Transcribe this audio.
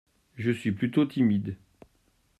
Je suis plutôt timide.